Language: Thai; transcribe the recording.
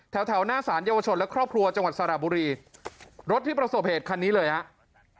แถวแถวหน้าสารเยาวชนและครอบครัวจังหวัดสระบุรีรถที่ประสบเหตุคันนี้เลยครับ